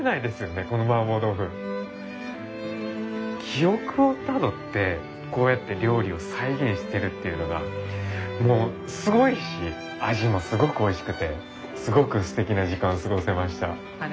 記憶をたどってこうやって料理を再現してるっていうのがもうすごいし味もすごくおいしくてすごくすてきな時間を過ごせました。